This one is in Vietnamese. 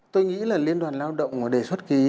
tôi nghĩ là liên đoàn lao động đề xuất ký